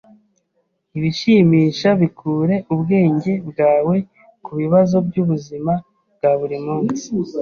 Ibishimisha bikure ubwenge bwawe kubibazo byubuzima bwa buri munsi.